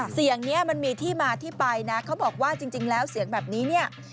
เสียงนี้มันมีที่มาที่ไปนะเขาบอกว่าจริงแล้วเสียงแบบนี้เนี่ย